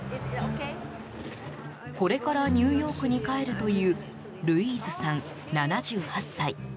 これからニューヨークに帰るというルイーズさん、７８歳。